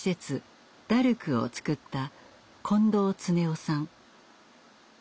ダルクを作った近藤恒夫さん。